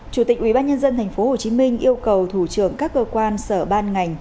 chủ tịch ủy ban nhân dân tp hcm yêu cầu thủ trưởng các cơ quan sở ban ngành